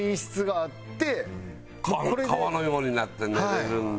川のようになって寝れるんだ！